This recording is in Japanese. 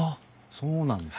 そうなんです。